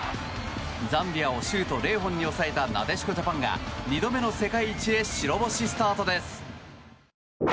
ザンビアをシュート０本に抑えたなでしこジャパンが２度目の世界一へ白星スタートです。